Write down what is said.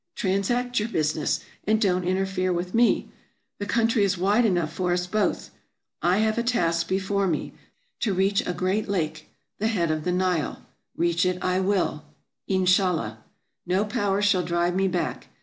Transact your business, and don't interfere with me; the country is wide enough for us both. I have a task before me, to reach a great lake — the head of the Nile. Reach it I will (Inshallah). No power shall drive me back.